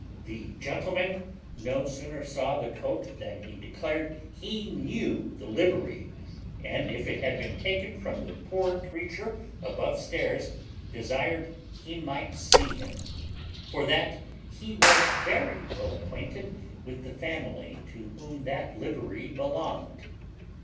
The gentleman no sooner saw the coat than he declared he knew the livery; and, if it had been taken from the poor creature above stairs, desired he might see him; for that he was very well acquainted with the family to whom that livery belonged.